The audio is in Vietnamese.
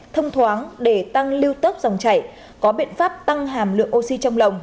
thông thoáng để tăng lưu tốc dòng chảy có biện pháp tăng hàm lượng oxy trong lồng